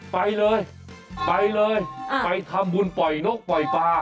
ไปเลยไปเลยไปทำบุญปล่อยนกปล่อยปลา